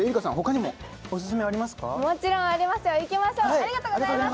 もちろんありますよ、行きましょう。